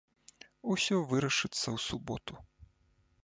Усё вырашыцца ў суботу.